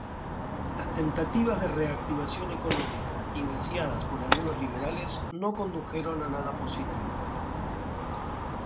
Las tentativas de reactivación económica iniciadas por algunos liberales no condujeron a nada positivo.